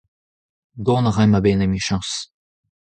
Dont a raimp a-benn, emichañs !